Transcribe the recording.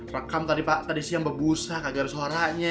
rekam tadi siang bebusah kagak ada suaranya